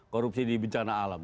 korupsi di bencana alam